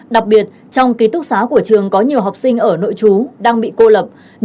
đặc biệt trong ký túc xá của trường có nhiều học sinh ở nội trú đang bị cô lập